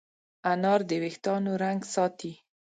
انار د وېښتانو رنګ ساتي.